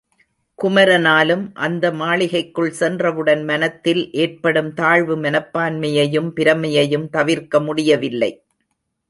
குமரனாலும் அந்த மாளிகைக்குள் சென்றவுடன் மனத்தில் ஏற்படும் தாழ்வுமனப்பான்மையையும் பிரமையையும் தவிர்க்க முடியவில்லை.